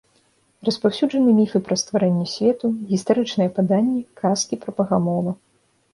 Распаўсюджаны міфы пра стварэнне свету, гістарычныя паданні, казкі пра багамола.